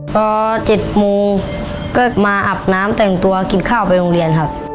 พอ๗โมงก็มาอาบน้ำแต่งตัวกินข้าวไปโรงเรียนครับ